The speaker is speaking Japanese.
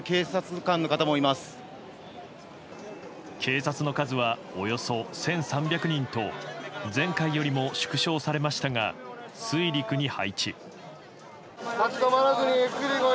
警察の数はおよそ１３００人と前回よりも縮小されましたが水陸に配置。